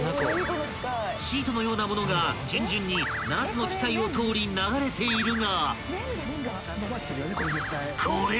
［シートのような物が順々に７つの機械を通り流れているが］